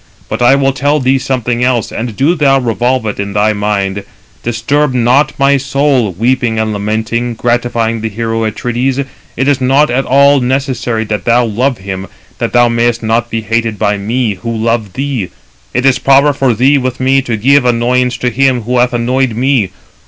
But I will tell thee something else, and do thou revolve it in thy mind. Disturb not my soul, weeping and lamenting, gratifying the hero Atrides; it is not at all necessary that thou love him, that thou mayest not be hated by me, who love thee. It is proper for thee with me to give annoyance to him who hath annoyed me.